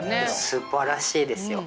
すばらしいですよ。